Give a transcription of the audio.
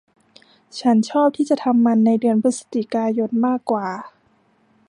ฉันชอบที่จะทำมันในเดือนพฤศจิกายนมากว่า